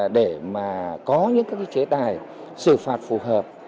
để mà có những chế tài xử phạt phù hợp